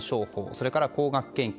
それから高額献金